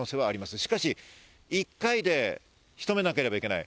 しかし、１回で仕留めなければいけない。